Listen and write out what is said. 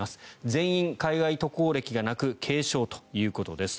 全員、海外渡航歴がなく軽症ということです。